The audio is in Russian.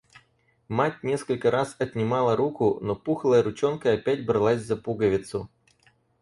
Мать несколько раз отнимала руку, но пухлая ручонка опять бралась за пуговицу.